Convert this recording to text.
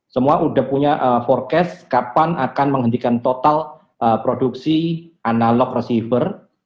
semua sudah punya forecast kapan akan menghentikan total produksi analog receiver